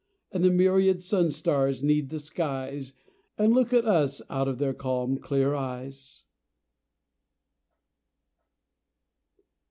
And the myriad sun stars seed the skies And look at us out of their calm, clear eyes.